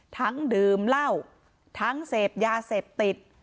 ทั้งดื่มเหล้าทั้งเซ็บยาเซ็บติด